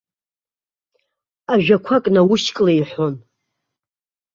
Ажәақәак наушьклеиҳәон.